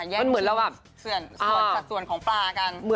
มันเหมือนเราแบบ